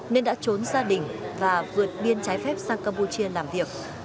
nên đã trốn gia đình và vượt biên trái phép sang campuchia làm việc